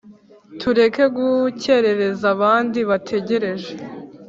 tureke gukerereza abandi bategereje !"